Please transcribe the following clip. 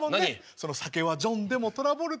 その酒はジョンでもトラボルタ。